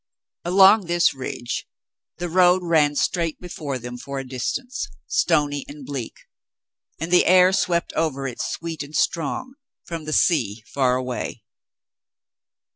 Along this ridge the road ran straight before them for a distance, stony and bleak, and the air swept over it sweet and strong from the sea, far aw^ay.